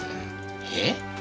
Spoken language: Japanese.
えっ？